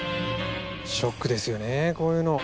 ショックですよねこういうの。